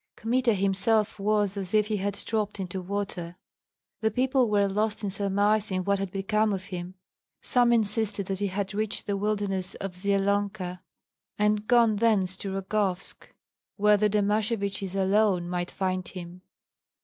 Kmita himself was as if he had dropped into water. The people were lost in surmising what had become of him. Some insisted that he had reached the wilderness of Zyelonka and gone thence to Rogovsk, where the Domasheviches alone might find him.